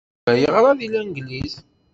Gma yeɣra deg Langliz.